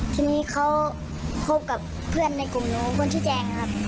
ทีนี้เขาคบกับเพื่อนในกลุ่มหนูคนชื่อแดงครับ